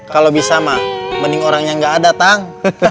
kalau bisa mah mending orang yang nggak ada tang